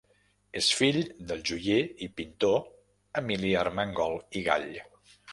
És fill del joier i pintor Emili Armengol i Gall.